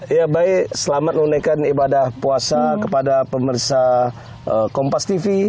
ya baik selamat menunaikan ibadah puasa kepada pemirsa kompas tv